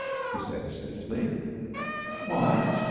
he said stiffly. 'What!'